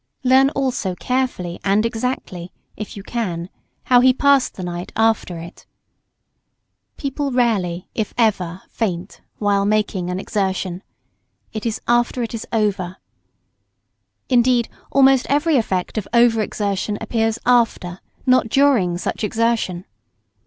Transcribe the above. Learn also carefully and exactly, if you can, how he passed the night after it. [Sidenote: Effects of over exertion on sick.] People rarely, if ever, faint while making an exertion. It is after it is over. Indeed, almost every effect of over exertion appears after, not during such exertion.